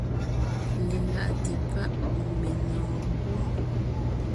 Lelaʼte páʼ menɔ̀ɔn gwɔ́.